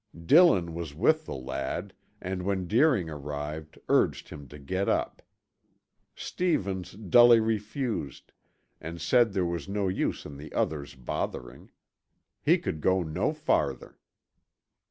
Dillon was with the lad and when Deering arrived urged him to get up. Stevens dully refused and said there was no use in the others bothering; he could go no farther.